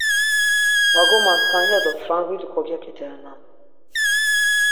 Va gomantzk̆an ya do franguli kogyok̆iderenan.